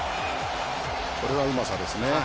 これはうまさですね。